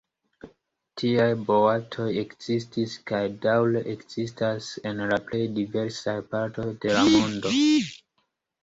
Tiaj boatoj ekzistis kaj daŭre ekzistas en la plej diversaj partoj de la mondo.